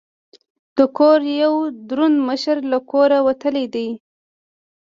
د کور یو دروند مشر له کوره وتلی دی.